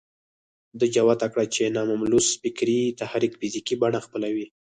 ده جوته کړه چې ناملموس فکري تحرک فزيکي بڼه خپلوي.